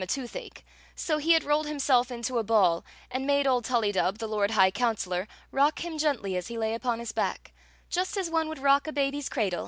a toothache, so he had rolled himself into a ball and made old TuUydub, the lord high counselor, rock htm gently as he lay upon his back, just as one would rock a bdby's cradle.